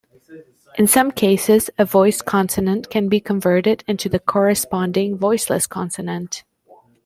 In some cases, a voiced consonant can be converted into the corresponding voiceless consonant.